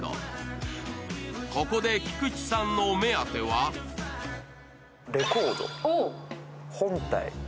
ここで菊池さんのお目当てはレコード本体。